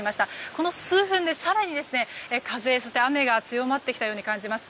この数分で更に風と雨が強まってきたように感じます。